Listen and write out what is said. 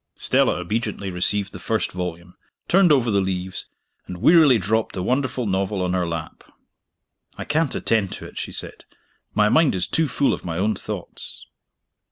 Stella obediently received the first volume, turned over the leaves, and wearily dropped the wonderful novel on her lap. "I can't attend to it," she said. "My mind is too full of my own thoughts."